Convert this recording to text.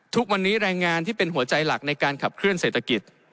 ทุกวันนี้แรงงานที่เป็นหัวใจหลักในการขับเคลื่อเศรษฐกิจ